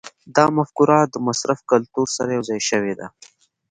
دا مفکوره د مصرف کلتور سره یوځای شوې ده.